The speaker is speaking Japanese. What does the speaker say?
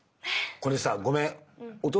これさごめん。